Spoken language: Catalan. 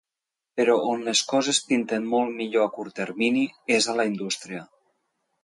Però on les coses pinten molt millor a curt termini és a la indústria.